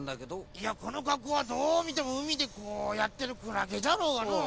いやこのかっこうはどうみてもうみでこうやってるクラゲじゃろうがのう。